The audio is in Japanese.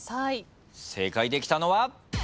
正解できたのは？